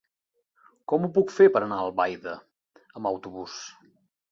Com ho puc fer per anar a Albaida amb autobús?